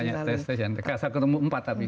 banyak tes tes kasar ketemu empat tapi